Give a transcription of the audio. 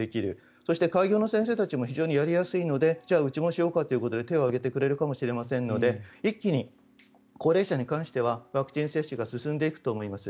そして、開業の先生たちも非常にやりやすいのでじゃあやりましょうかと手を挙げてくれるかもしれませんので一気に高齢者に関してはワクチン接種が進んでいくと思います。